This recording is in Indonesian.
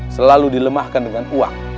selalu dilemahkan dengan uang